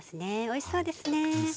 おいしそうですね。